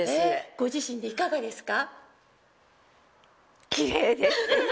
ご自身でいかがですか？